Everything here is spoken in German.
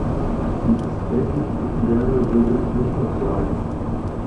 Dieses tägliche Geplärre würde ich nicht ertragen.